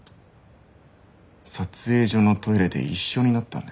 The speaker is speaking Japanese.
撮影所のトイレで一緒になったんです。